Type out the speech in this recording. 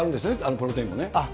プロテインもね。